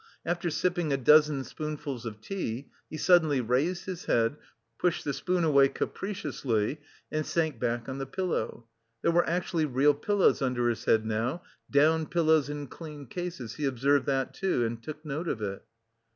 After sipping a dozen spoonfuls of tea, he suddenly released his head, pushed the spoon away capriciously, and sank back on the pillow. There were actually real pillows under his head now, down pillows in clean cases, he observed that, too, and took note of it.